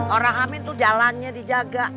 orang hamil tuh jalannya dijaga